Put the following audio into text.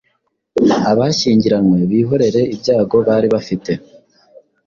Abashyingiranywe bihorere ibyago bari bafite